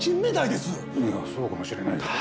いやそうかもしれないけど。